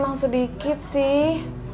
emang sedikit sih